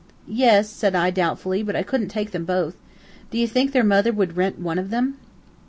"Yes," said I, doubtfully, "but I couldn't take both. Do you think their mother would rent one of them?"